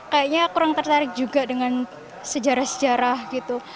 kayaknya kurang tertarik juga dengan sejarah sejarah gitu